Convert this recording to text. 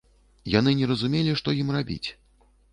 Яны не разумелі, што ім рабіць.